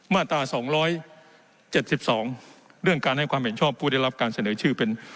มาตราสองร้อยเจ็ดสิบสองเรื่องการให้ความเห็นชอบผู้ได้รับการเสนอชื่อเป็น